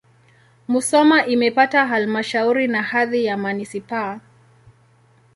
Musoma imepata halmashauri na hadhi ya manisipaa.